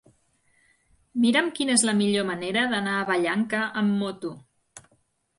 Mira'm quina és la millor manera d'anar a Vallanca amb moto.